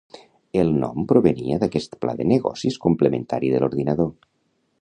El nom provenia d'aquest pla de negocis complementari de l'ordinador.